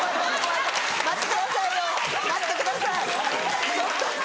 待ってくださいよ待ってくださいちょっと。